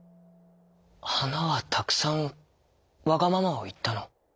「はなはたくさんわがままをいったの？」。